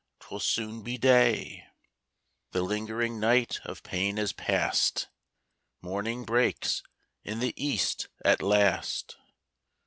'twill soon be day;" The lingering night of pain is past, Morning breaks in the east at last.